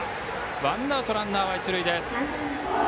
ワンアウト、ランナーは一塁です。